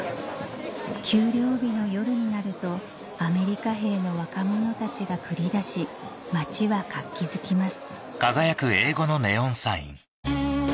給料日の夜になるとアメリカ兵の若者たちが繰り出し街は活気づきます